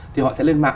thì họ sẽ lên mạng